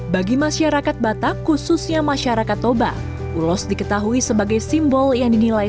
bagi masyarakat batak khususnya masyarakat toba ulos diketahui sebagai simbol yang dinilai